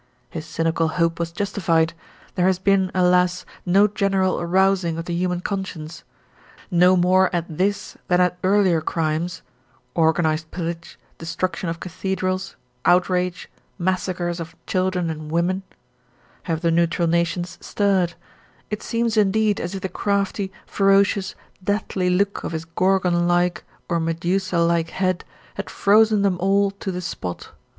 His cynical hope was justified; there has been, alas! no general arousing of the human conscience. No more at this than at earlier crimes organised pillage, destruction of cathedrals, outrage, massacres of children and women have the neutral nations stirred; it seems indeed as if the crafty, ferocious, deathly look of his Gorgon like or Medusa like head had frozen them all to the spot.